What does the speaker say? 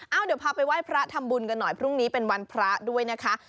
เอาเดี๋ยวพาไปไหว้พระทำบุญกันหน่อยพรุ่งนี้เป็นวันพระด้วยนะคะ